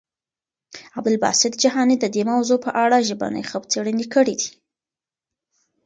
عبدالباسط جهاني د دې موضوع په اړه ژبني څېړنې کړي دي.